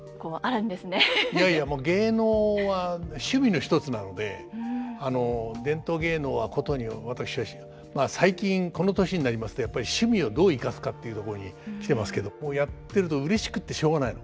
いやいや芸能は趣味の一つなので伝統芸能は殊に私はまあ最近この年になりますとやっぱり趣味をどう生かすかっていうところに来てますけどもうやってるとうれしくってしょうがないの。